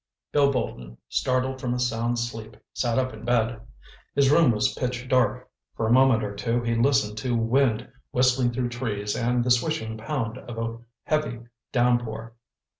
Bill Bolton, startled from a sound sleep, sat up in bed. His room was pitch dark. For a moment or two he listened to wind whistling through trees and the swishing pound of a heavy downpour.